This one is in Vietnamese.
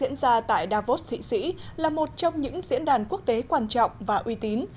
diễn ra tại davos thụy sĩ là một trong những diễn đàn quốc tế quan trọng và uy tín